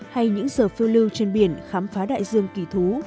hay những giờ phương lưu trên biển khám phá đại dương kỳ thú